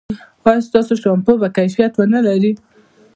ایا ستاسو شامپو به کیفیت و نه لري؟